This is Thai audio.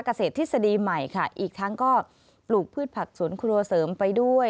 เกษตรทฤษฎีใหม่ค่ะอีกทั้งก็ปลูกพืชผักสวนครัวเสริมไปด้วย